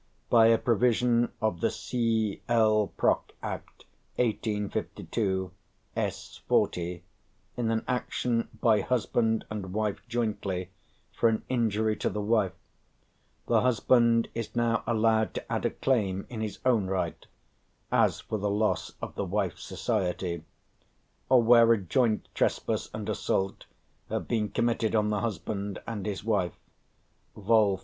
By a provision of the C. L. Proc. Act, 1852, s. 40, in an action by husband and wife jointly for an injury to the wife, the husband is now allowed to add a claim in his own right as for the loss of the wife's society or where a joint trespass and assault have been committed on the husband and his wife" (vol.